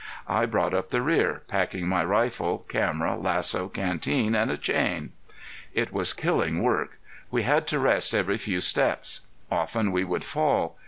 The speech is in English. I brought up the rear, packing my rifle, camera, lasso, canteen and a chain. It was killing work. We had to rest every few steps. Often we would fall.